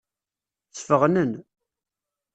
Sfeɣnen.